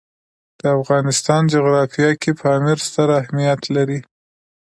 د افغانستان جغرافیه کې پامیر ستر اهمیت لري.